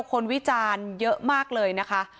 วิจารณ์เยอะมากเลยนะคะ